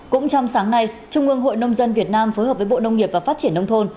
cũng trong sáng nay trung ương hội nông dân việt nam phối hợp với bộ nông nghiệp và phát triển nông thôn